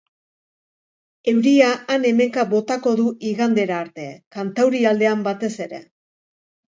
Euria han-hemenka botako du igandera arte, kantaurialdean batez ere.